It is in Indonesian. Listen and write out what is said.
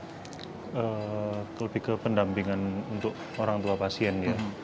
saya lebih ke pendampingan orang tua pasien